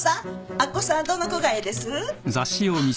明子さんはどの子がええです？